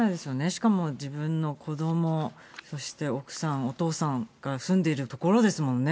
しかも自分の子ども、そして奥さん、お父さんが住んでいるところですもんね。